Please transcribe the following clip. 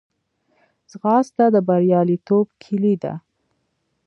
ځغاسته د بریالیتوب کلۍ ده